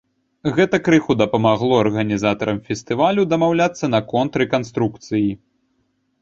Гэта крыху дапамагло арганізатарам фестывалю дамаўляцца наконт рэканструкцыі.